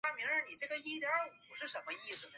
明朝官吏。